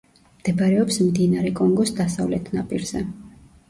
მდებარეობს მდინარე კონგოს დასავლეთ ნაპირზე.